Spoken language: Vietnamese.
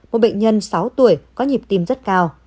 một bệnh nhân sáu tuổi có nhịp tim rất cao